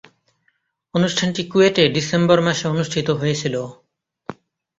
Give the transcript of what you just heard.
অনুষ্ঠানটি কুয়েটে ডিসেম্বর মাসে অনুষ্ঠিত হয়েছিলো।